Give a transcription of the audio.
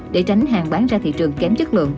để tránh hàng bán ra thị trường kém chất lượng